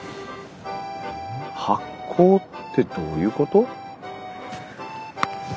発酵ってどういうこと？